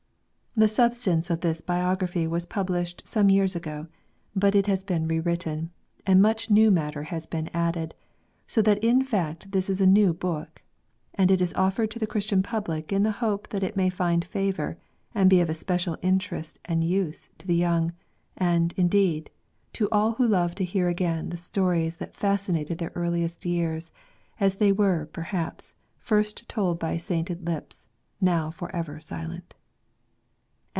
" The substance of this Biography was published some years ago ; but it has been re written, and much new matter has been added; so that in fact this is a new book : and it is offered to the Christian public in the hope that it may find favour, and be of especial interest and use to the young, and, indeed, to all who love to hear again the stories that fasci nated their earliest years, as they were, perhaps, first told by sainted lips, now for ever silent.